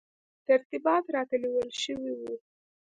ترتیبات راته نیول شوي وو.